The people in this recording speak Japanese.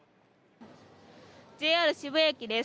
ＪＲ渋谷駅です。